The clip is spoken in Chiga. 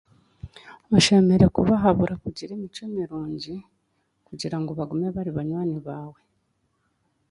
Oshemereire kubahabura kugira emicwe mirungi, kugira ngu bagume bari banywani baawe.